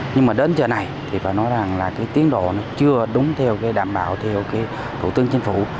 nhưng mà đến giờ này thì phải nói rằng là cái tiến độ nó chưa đúng theo cái đảm bảo theo cái thủ tướng chính phủ